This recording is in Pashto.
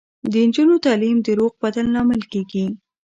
د نجونو تعلیم د روغ بدن لامل کیږي.